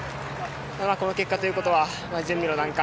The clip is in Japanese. この結果ということは準備の段階